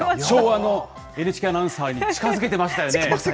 昭和のＮＨＫアナウンサーに近づけてましたよね。